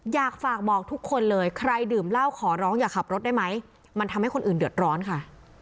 อยากฝากบอกทุกคนเลยใครดื่มเหล้าขอร้องอย่าขับรถได้ไหมมันทำให้คนอื่นเดือดร้อนค่ะ